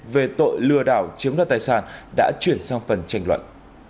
về tội lừa đảo chiếm đoạt tài sản đã chuyển sang phần tranh luận